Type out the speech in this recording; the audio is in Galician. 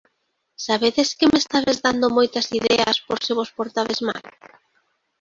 _¿Sabedes que me estades dando moitas ideas por se vos portades mal?